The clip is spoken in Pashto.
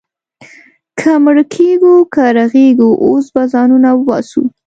که مړه کېږو، که رغېږو، اوس به ځانونه وباسو.